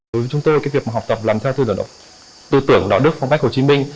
đối với chúng tôi việc học tập làm theo tư tưởng đạo đức phong cách hồ chí minh